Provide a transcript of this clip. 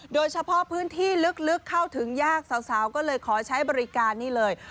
โดยเฉพาะพื้นที่ลึกเข้าถึงยากสาวก็เลยขอใช้บริการนี่เลย